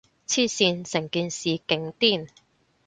黐線，成件事勁癲